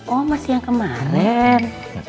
oh masih yang kemarin